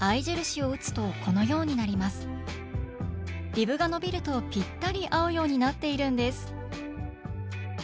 リブが伸びるとぴったり合うようになっているんです